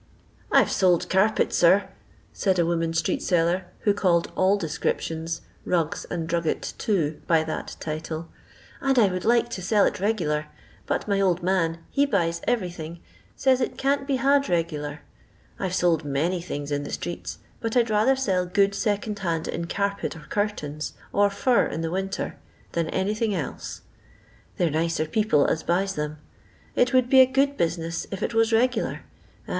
" I 've sold carpet, sir," said a woman street seller, who called all descriptions — rugs and drugget too — by that title ;" and I would like to sell it regular, but my old man — he buys every thing— says it can't be had regular. I've sold many things in the streets, but I 'd rather sell good second hand in carpet or curtains, or far in winter, than anything else. They 're nicer people as buys them. It would be a good business if it was regular. Ah !